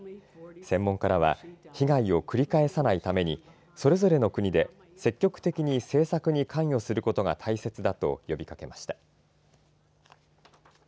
専門家らは被害を繰り返さないためにそれぞれの国で積極的に政策に関与することが大切だと呼びかけました。